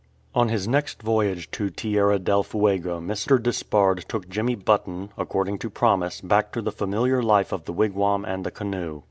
On his next voyage to Tierra del Fuego Mr. Despard took Jemmy Button, according to promise, back to the familiar life of the wigwam and the canoe.